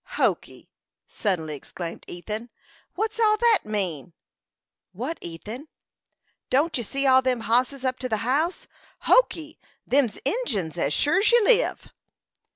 "Hokee!" suddenly exclaimed Ethan. "What's all that mean?" "What, Ethan?" "Don't you see all them hosses up to the house? Hokee! Them's Injins, as sure's you live!"